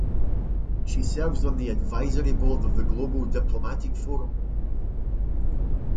She serves on the advisory board of the "Global Diplomatic Forum".